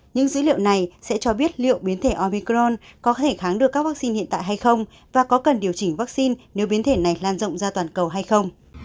những dữ liệu này sẽ cho biết liệu biến thể orbicron có thể kháng được các vaccine hiện tại hay không và có cần điều chỉnh vaccine nếu biến thể này lan rộng ra toàn cầu hay không